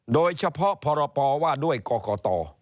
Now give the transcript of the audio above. โดยเฉพาะพรปว่าด้วยกรกต